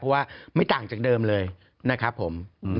เพราะว่าไม่ต่างจากเดิมเลยนะครับผม